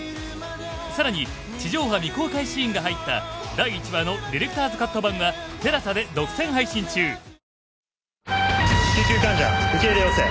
さらに地上波未公開シーンが入った第１話のディレクターズカット版は ＴＥＬＡＳＡ で独占配信中救急患者受け入れ要請。